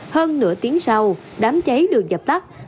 hơn nửa tiếng sau đám cháy được dập tắt